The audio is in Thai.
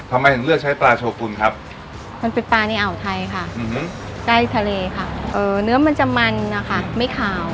ทำไมถึงเลือกใช้ปลาโชกุลครับมันเป็นปลาในอ่าวไทยค่ะใกล้ทะเลค่ะเนื้อมันจะมันนะคะไม่ขาว